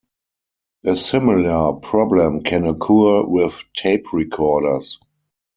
A similar problem can occur with tape recorders.